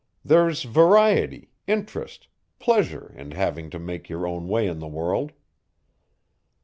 There's variety, interest, pleasure in having to make your own way in the world."